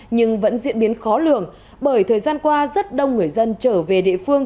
nhưng vẫn diễn biến khó lường bởi thời gian qua rất đông người dân trở về địa phương